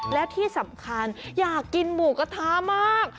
และที่สำคัญอยากกินหมูกระทะมาก